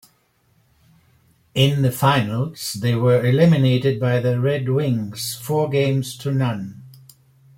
In the finals, they were eliminated by the Red Wings, four games to none.